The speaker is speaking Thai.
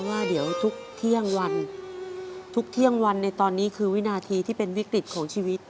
ว่าเดี๋ยวทุกเที่ยงวันทุกเที่ยงวันในตอนนี้คือวินาทีที่เป็นวิกฤตของชีวิต